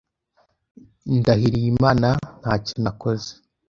Ndahiriye Imana ntacyo nakoze.